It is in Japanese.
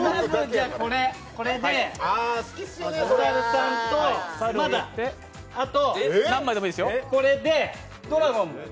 これで、お猿さんと、あとこれでドラゴン。